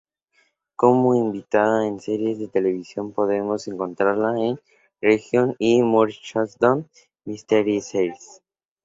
Como invitada en series de televisión podemos encontrarla en Reign y Murdoch Mysteries.